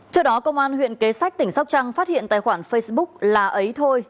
trước đó công an huyện kế sách tỉnh sóc trăng phát hiện tài khoản facebook là ấy thôi